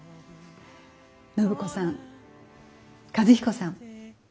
暢子さん和彦さん。